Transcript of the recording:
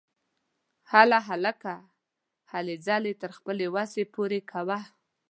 هله هلکه ! هلې ځلې تر خپلې وسې پوره کوه!